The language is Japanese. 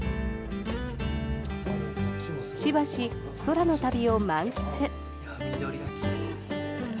しばし、空の旅を満喫。